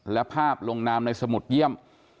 และภาพลงนามในสมุดเยี่ยม